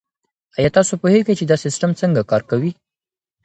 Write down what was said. آیا تاسو پوهیږئ چي دا سیستم څنګه کار کوي؟